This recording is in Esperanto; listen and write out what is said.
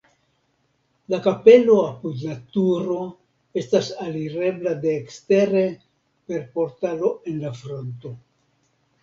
La kapelo apud la turo estas alirebla de ekstere per portalo en la fronto.